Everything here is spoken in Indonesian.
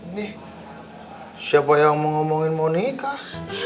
nih siapa yang mau ngomongin mau nikah